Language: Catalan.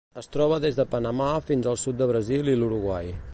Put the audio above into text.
Es troba des de Panamà fins al sud de Brasil i l'Uruguai.